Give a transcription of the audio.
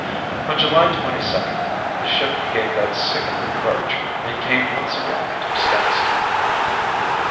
On July twenty second, the ship gave that sickening lurch and came once again to a standstill.